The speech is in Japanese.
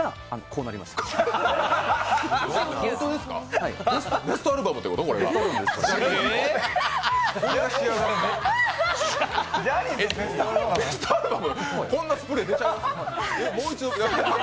こんなスプレー出ちゃう？